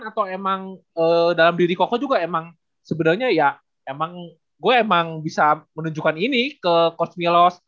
atau emang dalam diri kokoh juga emang sebenarnya ya emang gue emang bisa menunjukkan ini ke coach milos